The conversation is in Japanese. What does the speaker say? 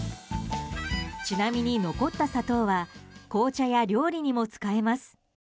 ちなみに、残った砂糖は紅茶や料理にも使えます。